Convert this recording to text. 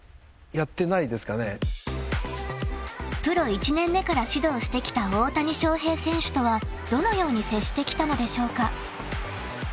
［プロ１年目から指導してきた大谷翔平選手とはどのように接してきたのでしょうか］